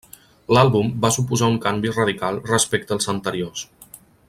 L’àlbum va suposar un canvi radical respecte als anteriors.